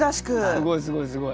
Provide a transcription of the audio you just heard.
すごいすごいすごい。